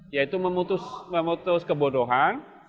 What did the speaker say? yaitu memutus kebodohan